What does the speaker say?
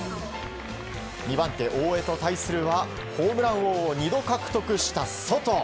２番手、大江と対するはホームラン王を２度獲得したソト。